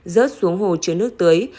rớt xuống hồ chứa nước tưới